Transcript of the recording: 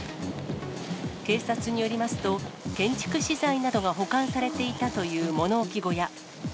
警察によりますと、建築資材などが保管されていたという物置小屋。